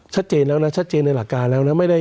ชัดเจนแล้วนะชัดเจนในหลักการแล้วนะ